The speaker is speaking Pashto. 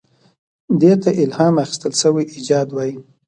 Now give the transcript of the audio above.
دې ته الهام اخیستل شوی ایجاد وایي.